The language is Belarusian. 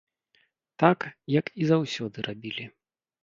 Так, як і заўсёды рабілі.